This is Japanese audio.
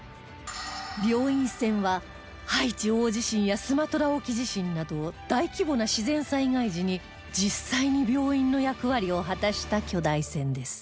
病院船はハイチ大地震やスマトラ沖地震など大規模な自然災害時に実際に病院の役割を果たした巨大船です